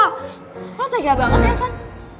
lo tega banget ya san